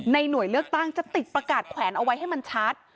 หน่วยเลือกตั้งจะติดประกาศแขวนเอาไว้ให้มันชัด